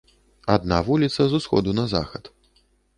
Адна вуліца з усходу на захад.